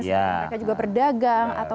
mereka juga berdagang